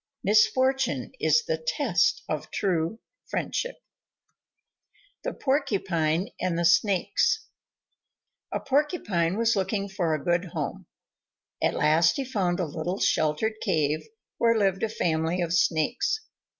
Misfortune is the test of true friendship. THE PORCUPINE AND THE SNAKES A Porcupine was looking for a good home. At last he found a little sheltered cave, where lived a family of Snakes.